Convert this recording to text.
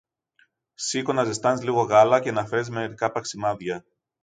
Σήκω να ζεστάνεις λίγο γάλα και να φέρεις μερικά παξιμάδια.